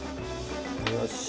よし。